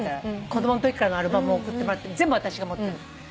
子供のときからのアルバムを送ってもらって全部私が持ってるの。